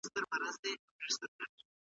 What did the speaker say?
که حیوانات ونه وهل شي نو هغوی نه ځورېږي.